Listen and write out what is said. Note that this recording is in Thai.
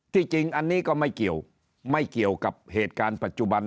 จริงอันนี้ก็ไม่เกี่ยวไม่เกี่ยวกับเหตุการณ์ปัจจุบัน